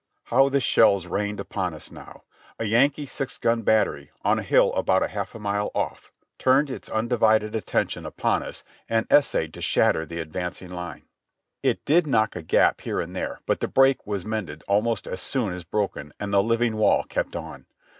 How the shells rained upon us now; a Yankee six gun battery, on a hill about half a mile off, turned its undivided attention upon 248 JOHNNY REB AND BII^IvY YANK US and essayed to shatter the advancing hne. It did knock a gap here and there, but the break was mended ahnost as soon as broken, and the Hving wall kept on.